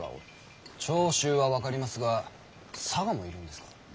長州は分かりますが佐賀もいるのですか？